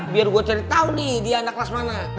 biar gue cari tahu nih dia anak kelas mana